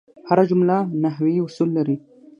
هره جمله نحوي اصول لري.